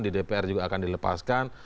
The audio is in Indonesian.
di dpr juga akan dilepaskan